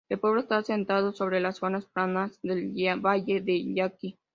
El pueblo está asentado sobre las zonas planas del valle del Yaqui.